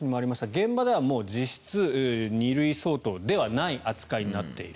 現場ではもう実質２類相当ではない扱いになっている